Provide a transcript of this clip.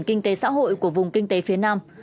kinh tế xã hội của vùng kinh tế phía nam